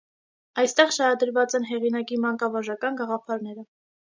Այստեղ շարադրված են հեղինակի մանկավարժական գաղափարները։